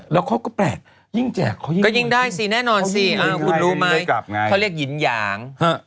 แล้วเขาก็แปลกยิ่งแจกเขายิ่งก็ยิ่งได้สิแน่นอนสิคุณรู้ไหมเขาเรียกหินหยาง